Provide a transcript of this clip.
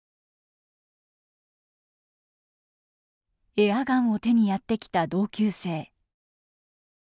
エアガンを手にやって来た同級生。